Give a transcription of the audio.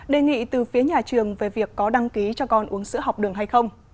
đề nghị từ phía nhà trường về việc có đăng ký cho con uống sữa học đường hay không